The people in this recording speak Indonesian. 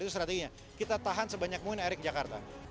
itu strateginya kita tahan sebanyak mungkin airnya ke jakarta